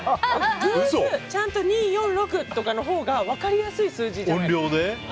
ちゃんと２、４、６とかのほうが分かりやすい数字。